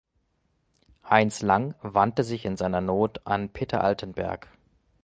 Heinz Lang wandte sich in seiner Not an Peter Altenberg.